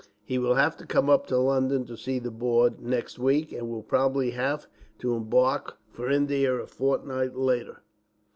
He will have to come up to London to see the board, next week, and will probably have to embark for India a fortnight later.